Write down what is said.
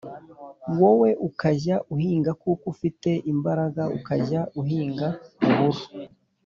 wowe ukajya uhinga kuko ufite imbaraga ukajya uhinga uburo